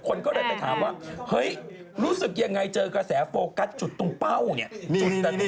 คนก็เริ่มไปถามว่าเฮ้ยรู้สึกยังไงเจอกระแสโฟกัสจุดตรงเป้าจุดสำคัญตรงเป้านี่